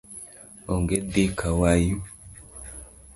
Onge dhi kawayu